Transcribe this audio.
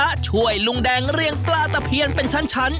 และช่วยลุงแดงเรียงปลาตะเพียนเป็นชั้น